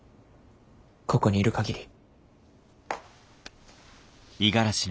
ここにいる限り。